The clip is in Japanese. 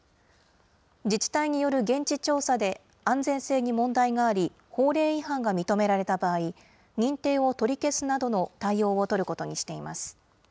自治体による現地調査で安全性に問題があり、法令違反が認められた場合、認定を取り消すなどの対応を取ることにしています。